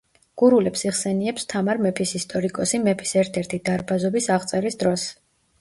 გურულებს იხსენიებს თამარ მეფის ისტორიკოსი მეფის ერთ-ერთი დარბაზობის აღწერის დროს.